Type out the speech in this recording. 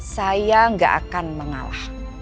saya gak akan mengalah